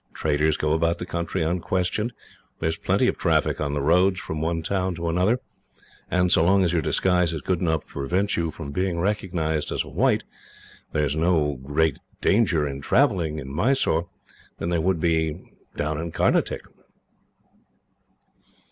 Traders go about the country unquestioned. There is plenty of traffic on the roads from one town to another; and so long as your disguise is good enough to prevent your being recognised as a white, there is no greater danger in travelling, in Mysore, than there would be down in the Carnatic."